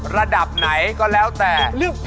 ระดับไหนก็แล้วแต่